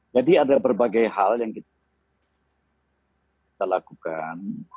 jadi ada berbagai hal yang kita lakukan